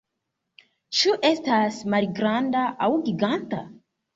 Ĉu estas malgranda aŭ giganta?